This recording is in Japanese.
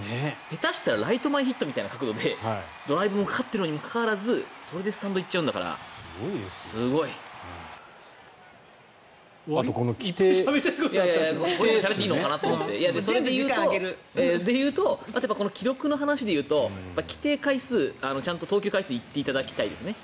下手したらライト前ヒットみたいな角度でドライブもかかっているにもかかわらずそれでスタンドに行っちゃうんだから、すごい！それでいうと例えばこの記録の話で言うと規定回数、ちゃんと投球回数に行っていただきたいですね。